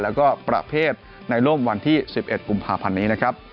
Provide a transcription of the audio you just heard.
แล้วก็ประเภทในร่มวันที่๑๑กุมภาพันธ์นี้นะครับ